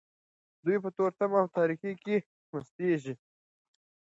دوی په تورتم او تاریکۍ کې مستیږي.